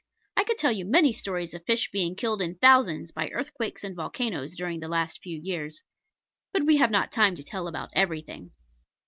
I could tell you many stories of fish being killed in thousands by earthquakes and volcanos during the last few years. But we have not time to tell about everything.